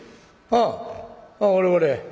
ああ俺俺。